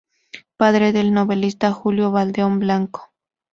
Padre del novelista Julio Valdeón Blanco.